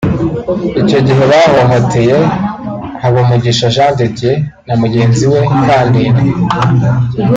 Icyo gihe bahohoteye Habumugisha Jean de Dieu na mugenzi we Kandinda